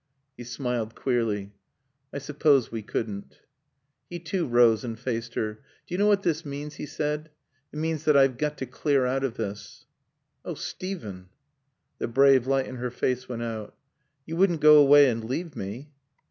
He smiled queerly. "I suppose we couldn't." He too rose and faced her. "Do you know what this means?" he said. "It means that I've got to clear out of this." "Oh, Steven " The brave light in her face went out. "You wouldn't go away and leave me?"